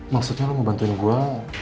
maksudnya lo mau bantuin gue